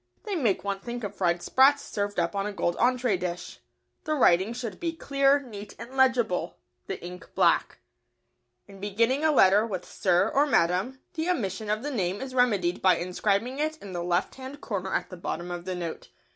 They make one think of fried sprats served up on a gold entrée dish. The writing should be clear, neat and legible, the ink black. [Sidenote: The addressee's name.] In beginning a letter with "Sir" or "Madam," the omission of the name is remedied by inscribing it in the left hand corner at the bottom of the note.